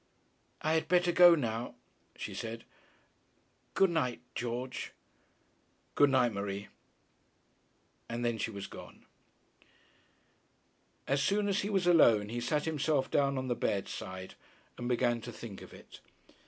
'I had better go now,' she said. 'Good night; George.' 'Good night, Marie.' And then she was gone. As soon as he was alone he sat himself down on the bedside, and began to think of it.